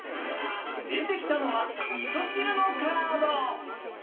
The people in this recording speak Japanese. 出てきたのはみそ汁のカード。